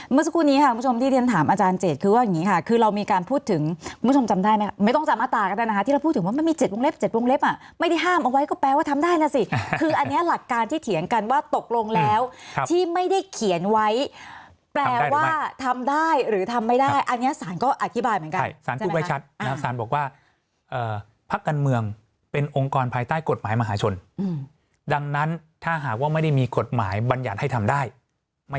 เมื่อสักครู่นี้ค่ะคุณผู้ชมที่เรียนถามอาจารย์เจตคือว่าอย่างนี้ค่ะคือเรามีการพูดถึงคุณผู้ชมจำได้ไหมค่ะไม่ต้องจำอตากันได้นะคะที่เราพูดถึงว่ามันมี๗วงเล็บ๗วงเล็บอ่ะไม่ได้ห้ามเอาไว้ก็แปลว่าทำได้นะสิคืออันเนี้ยหลักการที่เถียงกันว่าตกลงแล้วที่ไม่ได้เขียนไว้แปลว่าทำได้หรือทำไม่